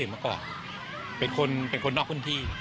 ไม่ไม่เคยเห็นมาก่อนเป็นคนนอกพื้นที่